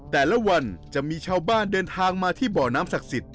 แต่ละวันจะมีชาวบ้านเดินทางมาที่บ่อน้ำศักดิ์สิทธิ